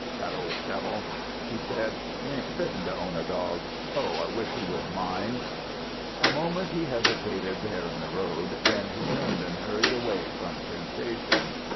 "That ol' devil!" he said. "He ain't fitten to own a dog. Oh, I wish he was mine!" A moment he hesitated there in the road, then he turned and hurried away from temptation.